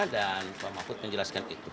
dan pak mahfud menjelaskan itu